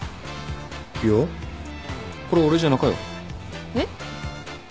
いやこれ俺じゃなかよ。えっ？